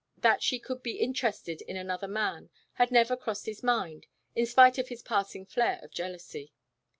That she could be interested in another man never had crossed his mind, in spite of his passing flare of jealousy.